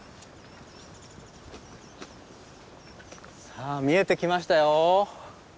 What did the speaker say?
さあ見えてきましたよ。